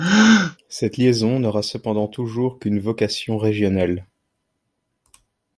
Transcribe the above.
Cette liaison n'aura cependant toujours qu'une vocation régionale.